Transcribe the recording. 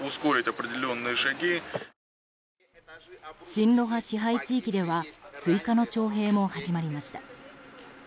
親露派支配地域では追加の徴兵も始まりました。